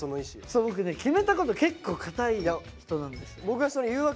そう僕ね決めたこと結構固い人なんです。